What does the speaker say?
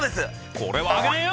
これはあげねえよ！